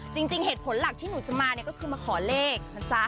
จริงเหตุผลหลักที่หนูจะมาเนี่ยก็คือมาขอเลขนะจ๊ะ